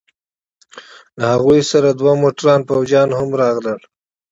له هغوى سره دوه موټره فوجيان هم راغلي وو.